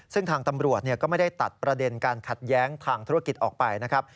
ซึ่งทางตำรวจก็ไม่ได้ตัดประเด็นการขัดแย้งทางธุรกิจออกไปนะครับ